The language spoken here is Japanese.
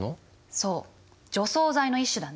そう除草剤の一種だね。